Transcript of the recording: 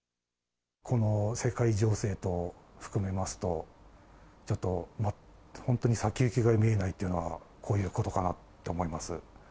この世界情勢と含めますと、ちょっと本当に先行きが見えないというのは、こういうことかなと思います。